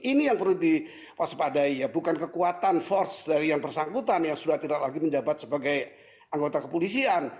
ini yang perlu diwaspadai ya bukan kekuatan force dari yang bersangkutan yang sudah tidak lagi menjabat sebagai anggota kepolisian